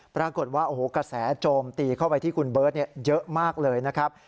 ปรากฏว่าโอ้โหกระแสโจมตีเข้าไปที่คุณเบิร์ตเยอะมากเลยนะครับ